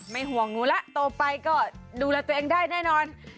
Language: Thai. ห่วงหนูแล้วโตไปก็ดูแลตัวเองได้แน่นอน